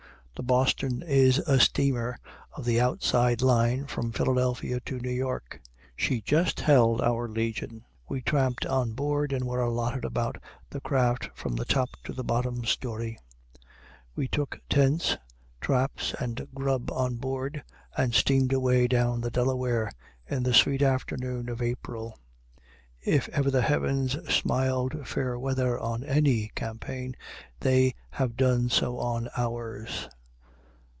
The "Boston" is a steamer of the outside line from Philadelphia to New York. She just held our legion. We tramped on board, and were allotted about the craft from the top to the bottom story. We took tents, traps, and grub on board, and steamed away down the Delaware in the sweet afternoon of April. If ever the heavens smiled fair weather on any campaign, they have done so on ours.